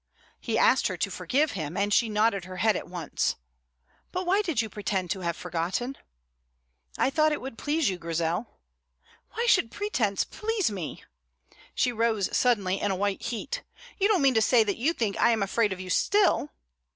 He asked her to forgive him, and she nodded her head at once. "But why did you pretend to have forgotten?" "I thought it would please you, Grizel." "Why should pretence please me?" She rose suddenly, in a white heat. "You don't mean to say that you think I am afraid of you still?"